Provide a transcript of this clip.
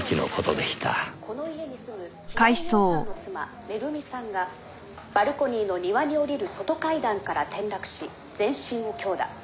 「この家に住む平井陽さんの妻めぐみさんがバルコニーの庭に下りる外階段から転落し全身を強打」